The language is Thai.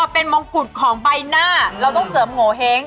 เป็นมงกุฎของใบหน้าเราต้องเสริมโงเห้ง